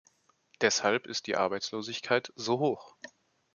Deshalb ist die Arbeitslosigkeit so hoch.